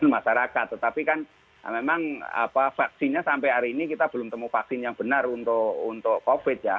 masyarakat tetapi kan memang vaksinnya sampai hari ini kita belum temu vaksin yang benar untuk covid ya